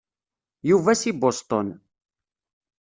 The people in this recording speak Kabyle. Yuba si Boston.